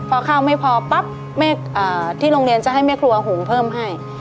พอข้าวไม่พอปั๊บที่โรงเรียนจะให้แม่ครัวหุงเพิ่มให้